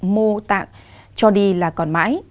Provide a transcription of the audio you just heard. mô tạng cho đi là còn mãi